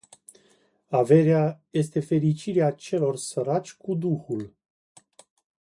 Averea este fericirea celor săraci cu duhul.